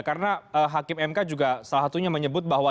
karena hakim mk juga salah satunya menyebut bahwa